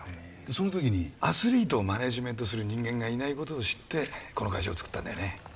その時にアスリートをマネージメントする人間がいないことを知ってこの会社をつくったんだよね